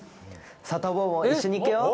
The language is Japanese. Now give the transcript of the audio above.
サタボーも一緒にいくよ。